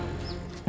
kau bisa melihat